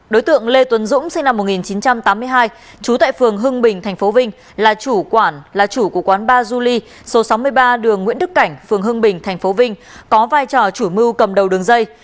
đối tượng lê tuấn dũng sinh năm một nghìn chín trăm tám mươi hai trú tại phường hưng bình tp vinh là chủ quản là chủ của quán ba zuli số sáu mươi ba đường nguyễn đức cảnh phường hương bình tp vinh có vai trò chủ mưu cầm đầu đường dây